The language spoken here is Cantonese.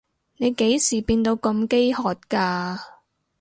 你幾時變到咁飢渴㗎？